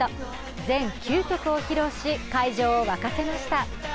全９曲を披露し会場を沸かせました